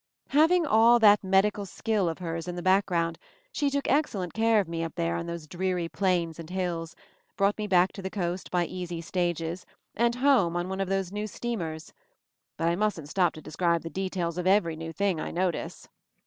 Having all that medical skill of hers in MOVING THE MOUNTAIN 17 the background, she took excellent care of me up there on those dreary plains and hills, brought me back to the coast by easy stages, and home on one of those new steamers — but I mustn't stop to describe the details of each new thing I notice